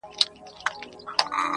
o اور په اور وژل کېږي٫